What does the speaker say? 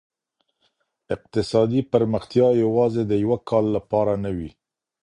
اقتصادي پرمختيا يوازي د يوه کال لپاره نه وي.